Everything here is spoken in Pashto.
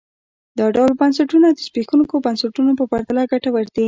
دا ډول بنسټونه د زبېښونکو بنسټونو په پرتله ګټور دي.